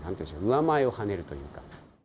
上前をはねるというか。